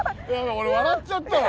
俺笑っちゃったわ。